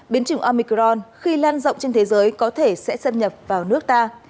biến chủng amicron khi lan rộng trên thế giới có thể sẽ xâm nhập vào nước ta